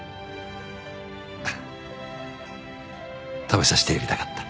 食べさせてやりたかった。